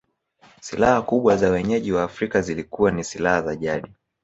Silaha kubwa za wenyeji wa Afrika zilikuwa ni silaha za jadi